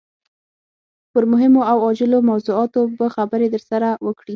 پر مهمو او عاجلو موضوعاتو به خبرې درسره وکړي.